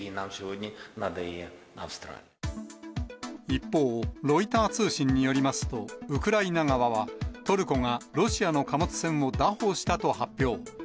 一方、ロイター通信によりますと、ウクライナ側は、トルコがロシアの貨物船を拿捕したと発表。